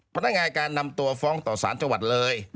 พนักงานการนำตัวฟ้องต่อสารจังหวัดเลย